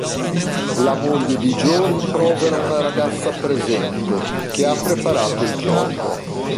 La moglie di Joe rimprovera una ragazza presente, che ha preparato il gioco.